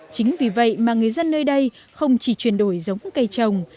chính vì vậy mà người dân nơi đây không chỉ chuyển đổi giống cây trồng